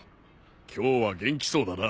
今日は元気そうだな。